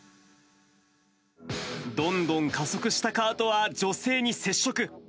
どんどん加速したカートは女性に接触。